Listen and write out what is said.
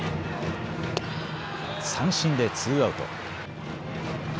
三振でツーアウト。